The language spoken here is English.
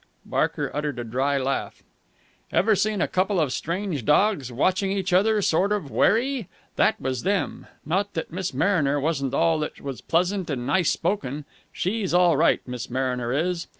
Barker uttered a dry laugh. "Ever seen a couple of strange dogs watching each other sort of wary? That was them! Not that Miss Mariner wasn't all that was pleasant and nice spoken. She's all right, Miss Mariner is.